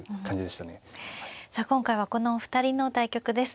さあ今回はこのお二人の対局です。